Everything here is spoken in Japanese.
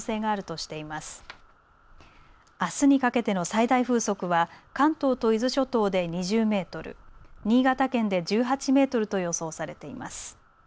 あすにかけての最大風速は関東と伊豆諸島で２０メートル、新潟県で１８メートルと予想されています。